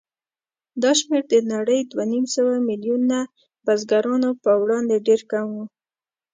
دا شمېر د نړۍ دوهنیمسوه میلیونه بزګرانو په وړاندې ډېر کم و.